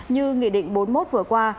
như nghị định bốn mươi một vừa qua